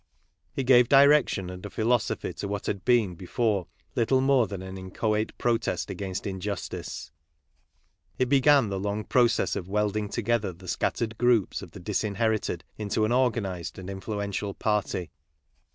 It gave direction and a philosophy to what : had been before little more than an inchoate protest against injustice. It began the long process of weldincr KARL MARX 15 together the scattered groups of the disinherited into an organized and influential party.